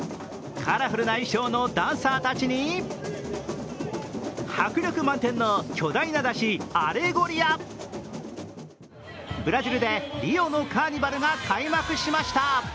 カラフルな衣装のダンサーたちに迫力満点の巨大なだし、アレゴリアブラジルでリオのカーニバルが開幕しました。